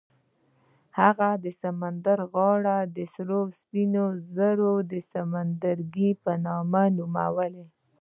هغه د سمندر غاړه یې د سپین زر سمندرګي په نوم ونوموله.